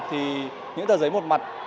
thì những tờ giấy một mặt